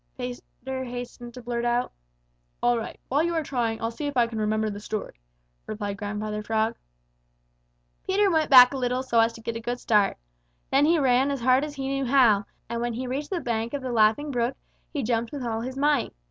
Peter hastened to blurt out. "All right. While you are trying, I'll see if I can remember the story," replied Grandfather Frog. Peter went back a little so as to get a good start. Then he ran as hard as he knew how, and when he reached the bank of the Laughing Brook, he jumped with all his might.